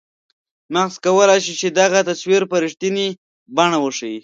مغز کولای شي چې دغه تصویر په رښتنیې بڼه وښیي.